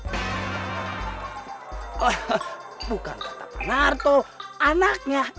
oh bukan kata pak narto anaknya